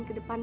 ke depan lagi